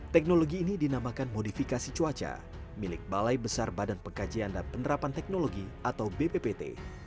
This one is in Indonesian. teknologi ini dinamakan modifikasi cuaca milik balai besar badan pengkajian dan penerapan teknologi atau bppt